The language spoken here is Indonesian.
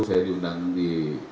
saya diundang di